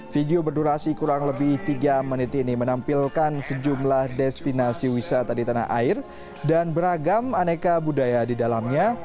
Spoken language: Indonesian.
video berdurasi kurang lebih tiga menit ini menampilkan sejumlah destinasi wisata di tanah air dan beragam aneka budaya di dalamnya